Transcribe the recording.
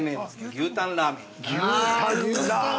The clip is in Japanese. ◆牛タンラーメン。